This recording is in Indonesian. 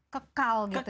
kekal gitu ya